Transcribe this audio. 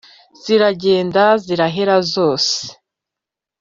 » ziragenda zirahera zose